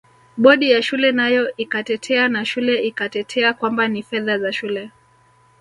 Bodi ya shule nayo ikatetea na shule ikatetea kwamba ni fedha za shule